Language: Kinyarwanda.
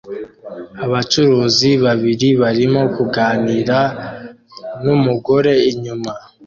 Abacuruzi babiri barimo kuganira numugore inyuma